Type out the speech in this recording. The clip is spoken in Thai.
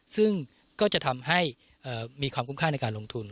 ซึ่งก็จะทำให้มีความคุ้มค่าในการลงทุน